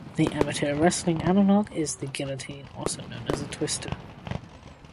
The amateur wrestling analogue is the guillotine also known as a "twister".